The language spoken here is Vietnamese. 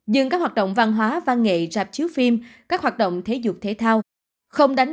dừng các hoạt động văn hóa văn nghệ rạp chiếu phim các hoạt động thể dục thể thao không đánh